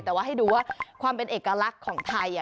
แต่ว่าให้ดูว่าความเป็นเอกลักษณ์ของไทย